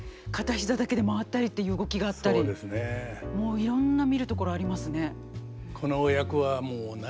もういろんな見るところありますね。